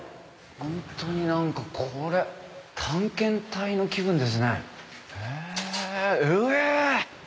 本当に何かこれ探検隊の気分ですねえうえ！